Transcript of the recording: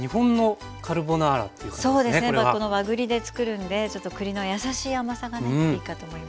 和栗でつくるんでちょっと栗の優しい甘さがねいいかと思います。